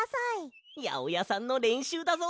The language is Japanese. やおやさんのれんしゅうだぞ。